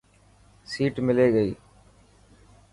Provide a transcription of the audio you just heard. سيٽ ملي گئي؟